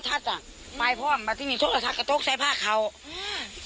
สายให้เป็นใส่ผ้าเข่าอือ